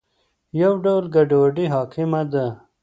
یو ډول ګډوډي حاکمه ده.